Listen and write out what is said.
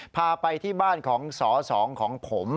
พาไปที่บ้านของสอสองของผม